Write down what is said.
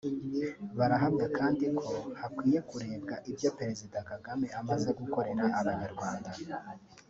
Banahamya kandi ko hakwiye kurebwa ibyo Perezida Kagame amaze gukorera Abanyarwanda